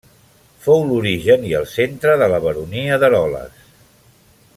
Fou l'origen i el centre de la baronia d'Eroles.